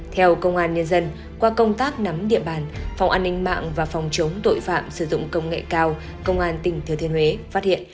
theo công an nhân dân qua công tác nắm địa bàn phòng an ninh mạng và phòng chống tội phạm sử dụng công nghệ cao công an tỉnh thừa thiên huế phát hiện